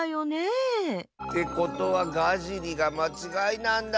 ってことはガジリがまちがいなんだ。